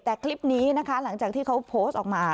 แต่คลิปนี้นะคะหลังจากที่เขาโพสต์ออกมา